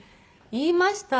言いました。